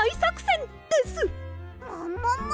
ももも！